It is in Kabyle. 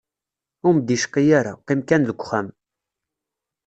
Ur m-d-icqi ara, qqim kan deg uxxam.